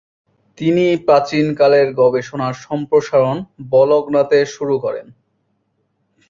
তিনি প্রাচীনকালের গবেষণার সম্প্রসারণ বলগ্নাতে শুরু করেন।